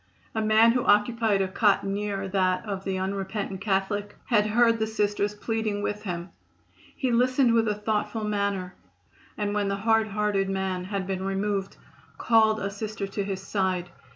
A man who occupied a cot near that of the unrepentant Catholic had heard the Sisters pleading with him. He listened with a thoughtful manner, and when the hard hearted man had been removed, called a Sister to his side.